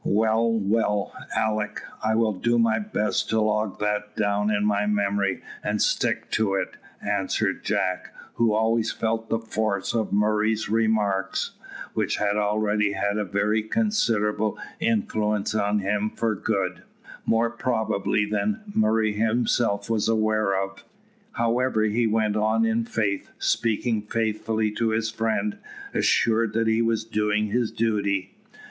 "Well, well, Alick, I will do my best to log that down in my memory and stick to it," answered Jack, who always felt the force of Murray's remarks, which had already had a very considerable influence on him for good; more, probably, than Murray himself was aware of. However, he went on in faith, speaking faithfully to his friend, assured that he was doing his duty.